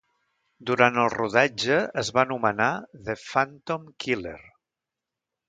Durant el rodatge es va anomenar "The Phantom Killer".